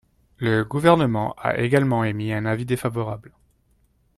Le Gouvernement a également émis un avis défavorable.